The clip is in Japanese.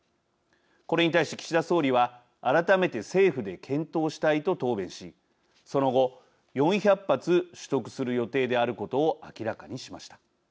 これに対し岸田総理は改めて政府で検討したいと答弁し、その後４００発取得する予定であることを明らかにしました。